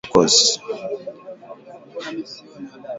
Anawasihi kujizuia na vitendo vya uchokozi